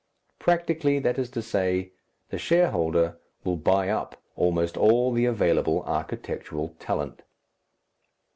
Practically, that is to say, the shareholder will buy up almost all the available architectural talent.